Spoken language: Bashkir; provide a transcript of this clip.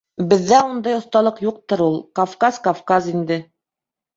- Беҙҙә ундай оҫталыҡ юҡтыр ул. Кавказ - Кавказ инде.